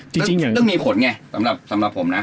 จริงต้องมีผลไงสำหรับผมนะ